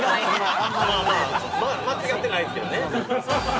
◆間違ってないですけどね。